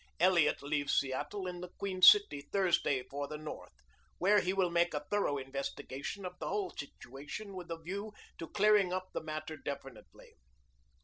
Elliot leaves Seattle in the Queen City Thursday for the North, where he will make a thorough investigation of the whole situation with a view to clearing up the matter definitely.